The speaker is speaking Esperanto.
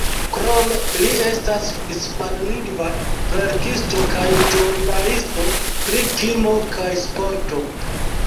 Krome, li estas hispanlingva verkisto, kaj ĵurnalisto pri kino kaj sporto.